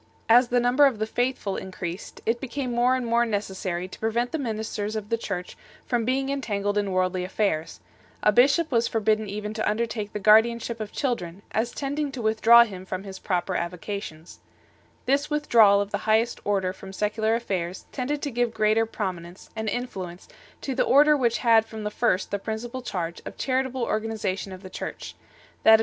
, As the number of the faithful increased, it became more and more necessary to prevent the ministers of the Church from being entangled in worldly affairs ; a bishop was forbidden even to undertake the guardianship of children, as tending to withdraw him from his proper avocations 9 . This withdrawal of the highest order from secular affairs tended to give greater prominence and in fluence to the order which had from the first the principal charge of charitable organization of the Church that of 1 Pseudo Ambrosius [Hilary] on 1 Tim. iii. 10. 2 Augustine, Epist. 82, c.